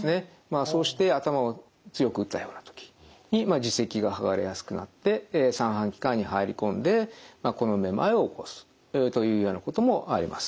そうして頭を強く打ったようなときに耳石がはがれやすくなって三半規管に入り込んでこのめまいを起こすというようなこともあります。